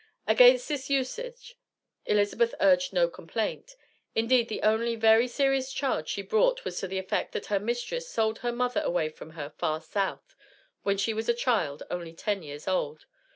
Against this usage Elizabeth urged no complaint. Indeed the only very serious charge she brought was to the effect, that her mistress sold her mother away from her far South, when she was a child only ten years old.